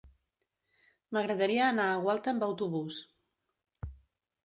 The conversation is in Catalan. M'agradaria anar a Gualta amb autobús.